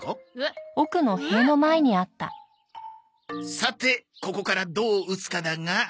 さてここからどう打つかだが。